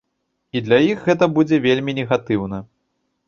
І для іх гэта будзе вельмі негатыўна.